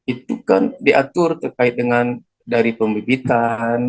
itu kan diatur terkait dengan dari pembibitan